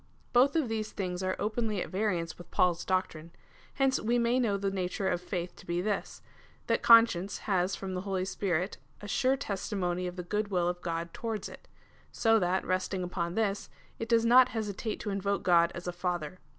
Both of these things are oi)enly at variance with Paul's doctrine. Hence we may know the nature of faitli to be this, that conscience has from the Holy Spirit a sure testimony of the good will of God towards it, so that, resting ujion tliis, it does not hesitate to invoke God as a Father.